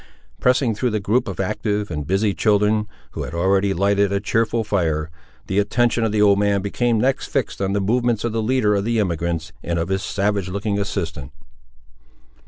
Pressing through the group of active and busy children, who had already lighted a cheerful fire, the attention of the old man became next fixed on the movements of the leader of the emigrants and of his savage looking assistant.